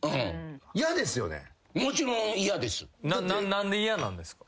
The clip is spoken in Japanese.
何で嫌なんですか？